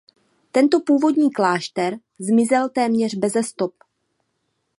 Tento původní klášter zmizel téměř beze stop.